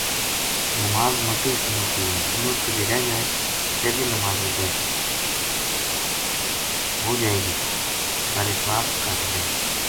نماز ما کئی سنت بھی ہیں۔ سنت کدے رہ جائے تے بھی نماز ہو جائے گی بارے ثواب کہٹ ہو جائے۔